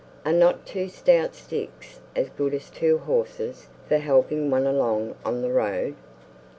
"Are not two stout sticks as good as two horses for helping one along on the road?